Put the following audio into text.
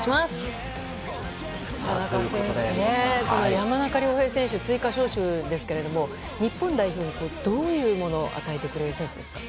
田中選手、山中亮平選手追加招集ですが日本代表にどういうものを与えてくれる選手ですか？